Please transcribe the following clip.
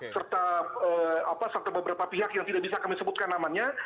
serta beberapa pihak yang tidak bisa kami sebutkan namanya